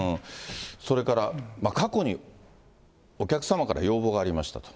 それから過去にお客様から要望がありましたと。